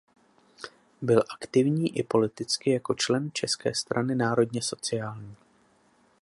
Byl aktivní i politicky jako člen České strany národně sociální.